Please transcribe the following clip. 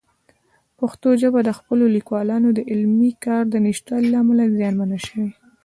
پښتو ژبه د خپلو لیکوالانو د علمي کار د نشتوالي له امله زیانمنه شوې.